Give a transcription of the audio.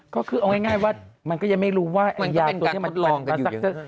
ก็คือเอาง่ายว่ามันก็ยังไม่รู้ว่ายานยาตัวนี้ก็เป็นการกดลองกันอยู่ขึ้น